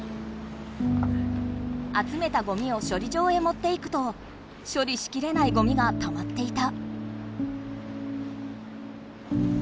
あつめたゴミを処理場へもっていくと処理しきれないゴミがたまっていた。